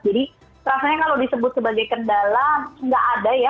jadi rasanya kalau disebut sebagai kendala nggak ada ya